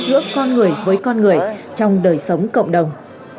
giữa con người với con người trong đời sống cộng đồng